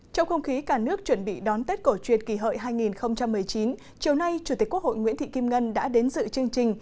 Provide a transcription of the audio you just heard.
trong không khí cả nước chuẩn bị đón tết cổ truyền kỳ hợi hai nghìn một mươi chín chiều nay chủ tịch quốc hội nguyễn thị kim ngân đã đến dự chương trình